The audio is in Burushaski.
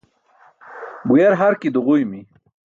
Guyar harki duġuymi.